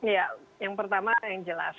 ya yang pertama yang jelas